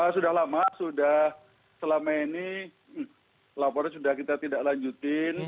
sudah lama sudah selama ini laporan sudah kita tidak lanjutin